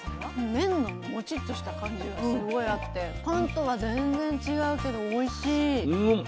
麺がモチッとした感じがすごいあってパンとは全然違うけどおいしい。